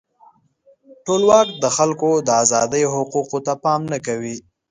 ټولواک د خلکو د آزادۍ او حقوقو ته پام نه کوي.